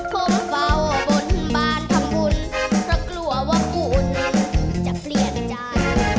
เฝ้าบนบานทำบุญเพราะกลัวว่าคุณจะเปลี่ยนใจ